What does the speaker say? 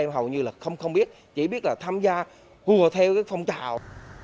hầu như là không biết chỉ biết là tham gia hùa theo cái phong trào